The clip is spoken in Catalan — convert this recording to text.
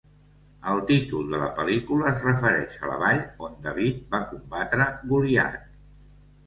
El títol de la pel·lícula es refereix a la vall on David va combatre Goliat.